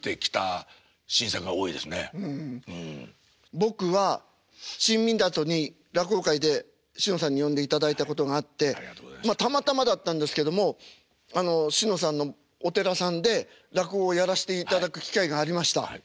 僕は新湊に落語会でしのさんに呼んでいただいたことがあってたまたまだったんですけどもしのさんのお寺さんで落語をやらしていただく機会がありました。